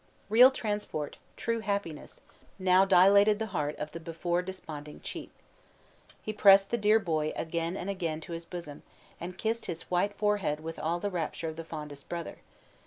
Real transport, true happiness, now dilated the heart of the before desponding chief. He pressed the dear boy again and again to his bosom, and kissed his white forehead with all the rapture of the fondest brother.